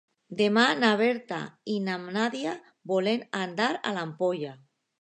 Demà na Berta i na Nàdia volen anar a l'Ampolla.